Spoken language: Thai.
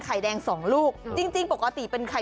ไข่มันดีนะซ้อน๒